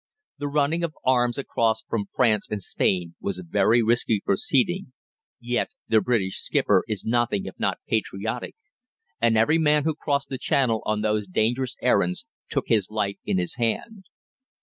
The running of arms across from France and Spain was a very risky proceeding; yet the British skipper is nothing if not patriotic, and every man who crossed the Channel on those dangerous errands took his life in his hand.